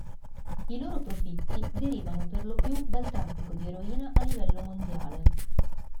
I loro profitti derivano per lo più dal traffico di eroina a livello mondiale.